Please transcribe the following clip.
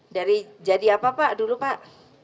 dari jadi apa pak dulu pak